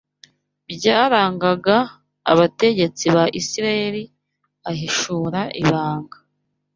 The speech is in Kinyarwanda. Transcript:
byarangaga abategetsi ba Isirayeli ahishura ibanga